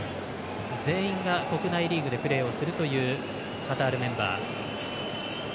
全員が国内リーグでプレーをするというカタールメンバー。